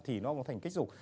thì nó thành kích dục